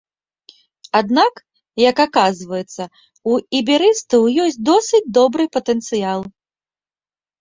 Аднак, як аказваецца, у іберыстаў ёсць досыць добры патэнцыял.